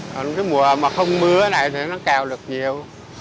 còn cái mùa mà không mưa này thì nó cao được nhiều